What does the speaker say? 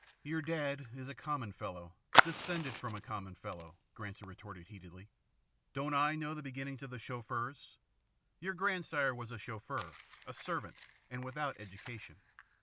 "Your dad is a common fellow, descended from a common fellow," Granser retorted heatedly. "Don't I know the beginnings of the Chauffeurs? Your grandsire was a chauffeur, a servant, and without education.